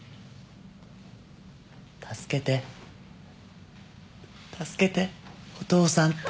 「助けて」「助けてお父さん」って。